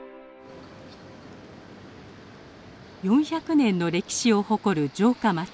４００年の歴史を誇る城下町弘前。